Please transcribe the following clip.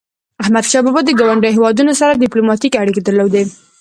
احمدشاه بابا د ګاونډیو هیوادونو سره ډیپلوماټيکي اړيکي درلودی.